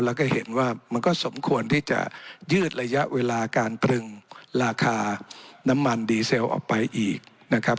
แล้วก็เห็นว่ามันก็สมควรที่จะยืดระยะเวลาการตรึงราคาน้ำมันดีเซลออกไปอีกนะครับ